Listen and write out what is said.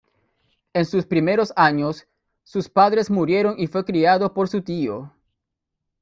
En sus primeros años, sus padres murieron y fue criado por su tío.